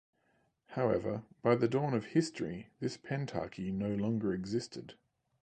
However, by the dawn of history this pentarchy no longer existed.